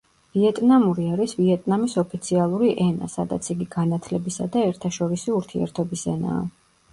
ვიეტნამური არის ვიეტნამის ოფიციალური ენა, სადაც იგი განათლებისა და ერთაშორისი ურთიერთობის ენაა.